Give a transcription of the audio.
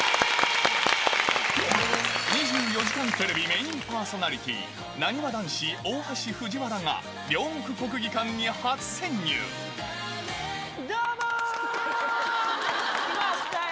２４時間テレビメインパーソナリティー、なにわ男子・大橋、藤原が、どうもー！来ましたよ。